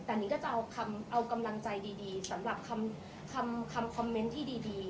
แต่หนึ่งก็จะเอาคำเอากำลังใจดีดีสำหรับคำคำคำคอมเมนต์ที่ดีดี